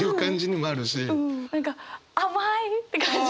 何か「あまい」って感じ。